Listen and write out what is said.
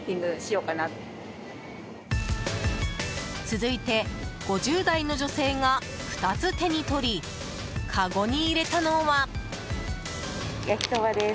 続いて、５０代の女性が２つ手に取りかごに入れたのは。